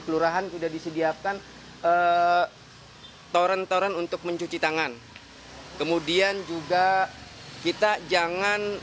kelurahan sudah disediakan eh torrent orang untuk mencuci tangan kemudian juga kita jangan